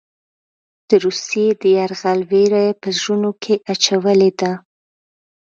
د روسیې د یرغل وېره یې په زړونو کې اچولې ده.